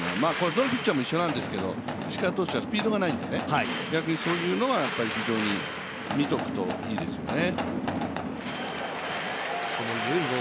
どのピッチャーも一緒なんですけど、石川投手はスピードがないのでそういうのは非常に見ておくといいですよね。